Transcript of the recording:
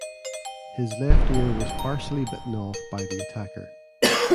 His left ear was partially bitten off by the attacker.